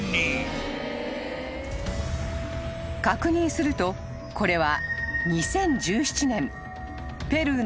［確認するとこれは］